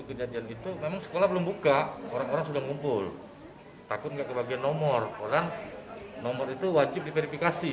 pembagian nomor antrian untuk mengikuti tes verifikasi